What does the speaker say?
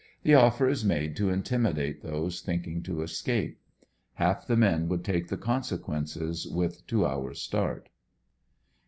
The offer is made to intimidate those thinking to escape. Half the men would take the consequences with two hours start.